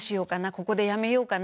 ここでやめようかな